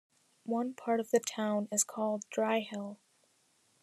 One part of the town is called 'Dryhill'.